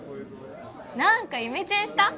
何かイメチェンした？